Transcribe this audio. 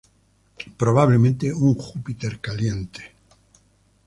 Probablemente un Júpiter caliente.